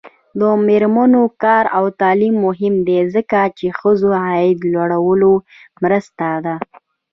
د میرمنو کار او تعلیم مهم دی ځکه چې ښځو عاید لوړولو مرسته ده.